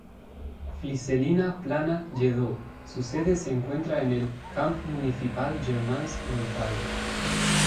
Fliselina-Plana Lledó, su sede se encuentra en el "Camp Municipal Germans Gonzalvo".